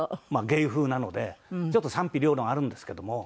芸風なのでちょっと賛否両論あるんですけども。